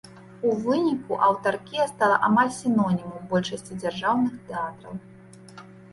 У выніку аўтаркія стала амаль сінонімам большасці дзяржаўных тэатраў.